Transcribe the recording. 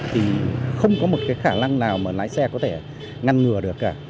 thì không có một cái khả năng nào mà lái xe có thể ngăn ngừa được cả